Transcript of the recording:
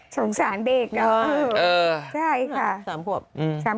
สงสารเด็กเนอะใช่ค่ะ